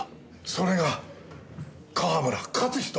それが川村活人！